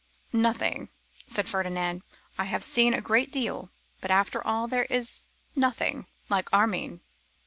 'Nothing,' said Ferdinand; 'I have seen a great deal, but after all there is nothing like Armine.